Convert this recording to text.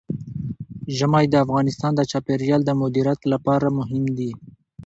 ژمی د افغانستان د چاپیریال د مدیریت لپاره مهم دي.